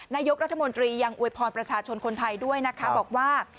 นายกรัฐมนตรียังอวยพรประชาชนคนไทยด้วยนะคะบอกว่า